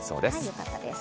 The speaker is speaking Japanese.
よかったです。